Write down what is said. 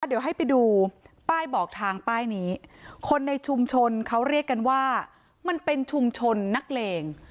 เดี๋ยวให้ไปดูป้ายบอกทางป้ายนี้คนในชุมชนเขาเรียกกันว่ามันเป็นชุมชนนักเลง